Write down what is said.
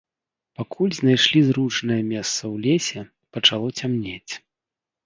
Пакуль знайшлі зручнае месца ў лесе, пачало цямнець.